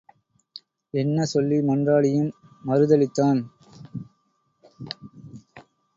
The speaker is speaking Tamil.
என்ன சொல்லி மன்றாடியும் மறுதளித்தான்.